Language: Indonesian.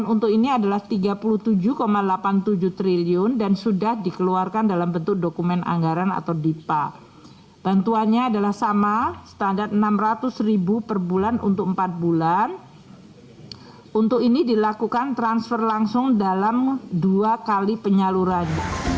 untuk ini dilakukan transfer langsung dalam dua kali penyaluran